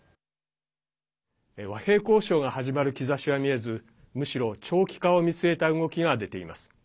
和平交渉が始まる兆しは見えずむしろ長期化を見据えた動きが出ています。